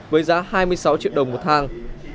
với giá hai mươi sáu triệu đồng một thang